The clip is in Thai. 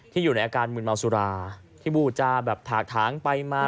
อยู่ในอาการมืนเมาสุราที่บูจาแบบถากถางไปมา